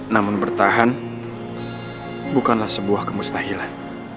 namun bertahan bukanlah sebuah kemustahilan